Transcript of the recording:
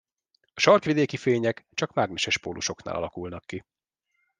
A sarkvidéki fények csak mágneses pólusoknál alakulnak ki.